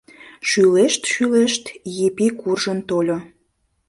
Шӱлешт-шӱлешт, Епи куржын тольо.